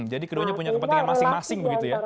jadi keduanya punya kepentingan masing masing begitu ya